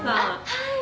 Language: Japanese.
はい。